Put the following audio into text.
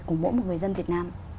cùng mỗi một người dân việt nam